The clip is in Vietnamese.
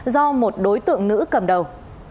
do một đối tượng nữ cầm đầu